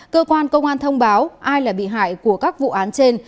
cơ quan công an thông báo ai là bị hại của các vụ án trên